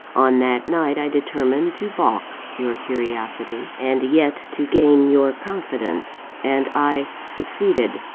On that night, I determined to baulk your curiosity, and yet to gain your confidence; and I succeeded.